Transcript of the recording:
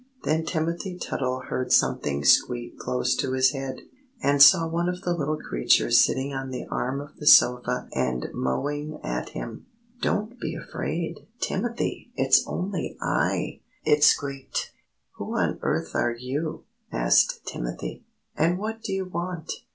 Then Timothy Tuttle heard something squeak close to his head, and saw one of the little creatures sitting on the arm of the sofa and mowing at him. "Don't be afraid, Timothy, it's only I!" it squeaked. "Who on earth are you," asked Timothy, "and what do you want?"